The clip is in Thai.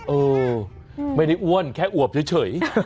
เออไม่ได้อ้วนแค่อวบเฉย